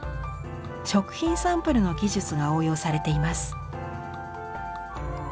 食品サンプルの技術が応用されています。